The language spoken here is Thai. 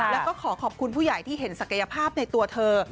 แล้วก็ขอขอบคุณผู้ใหญ่ที่เห็นศักยภาพในตัวเธอ